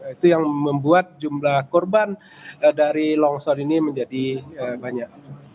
itu yang membuat jumlah korban dari longsor ini menjadi banyak